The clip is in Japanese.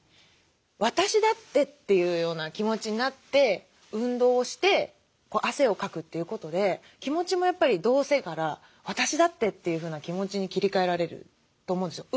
「私だって」っていうような気持ちになって運動をして汗をかくということで気持ちもやっぱり「どうせ」から「私だって」というふうな気持ちに切り替えられると思うんですよ。